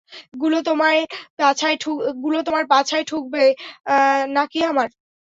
গুলো তোমার পাছায় ঢুকবে, নাকি আমার?